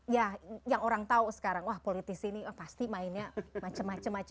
ya yang orang tahu sekarang wah politisi ini pasti mainnya macam macam